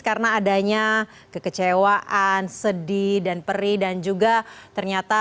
karena adanya kekecewaan sedih dan perih dan juga ternyata